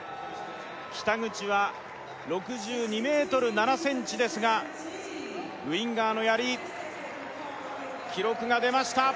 北口は６２ｍ７ｃｍですがウィンガーのやり記録が出ました